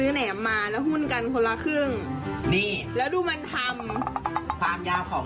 ฮัลโหลทุกคนเราต้องการประจานมัน